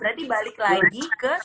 berarti balik lagi ke satu ratus lima puluh